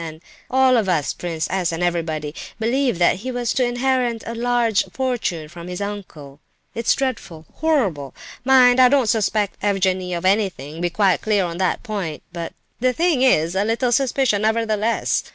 And I—all of us—Prince S. and everybody, believed that he was to inherit a large fortune from this uncle. It's dreadful, horrible! Mind, I don't suspect Evgenie of anything, be quite clear on that point; but the thing is a little suspicious, nevertheless.